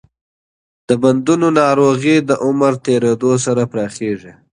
د بندونو ناروغي د عمر تېریدو سره پراخېږي.